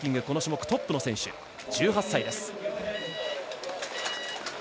この種目トップの選手１８歳です。